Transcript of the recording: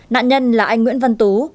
nạn nhân là anh nguyễn văn tú